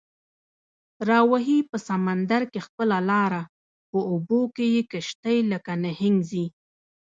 راوهي په سمندر کې خپله لاره، په اوبو کې یې کشتۍ لکه نهنګ ځي